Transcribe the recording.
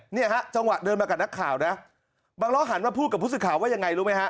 เนี่ยฮะจังหวะเดินมากับนักข่าวนะบังล้อหันมาพูดกับผู้สื่อข่าวว่ายังไงรู้ไหมฮะ